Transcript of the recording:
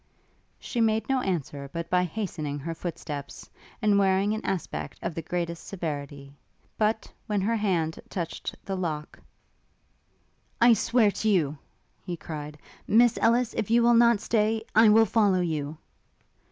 She made no answer but by hastening her footsteps, and wearing an aspect of the greatest severity; but, when her hand touched the lock, 'I swear to you,' he cried, 'Miss Ellis, if you will not stay I will follow you!'